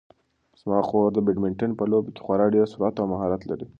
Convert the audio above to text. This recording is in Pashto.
زما خور د بدمینټن په لوبه کې خورا ډېر سرعت او مهارت لري.